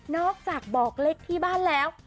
อกจากบอกเลขที่บ้านแล้ว